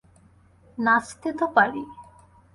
নাচতে তো পারি।